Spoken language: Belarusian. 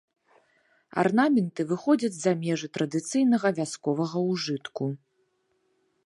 Арнаменты выходзяць за межы традыцыйнага вясковага ўжытку.